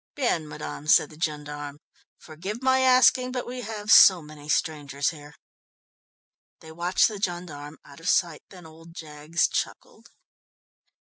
"Bien, madame," said the gendarme. "Forgive my asking, but we have so many strangers here." They watched the gendarme out of sight. Then old Jaggs chuckled.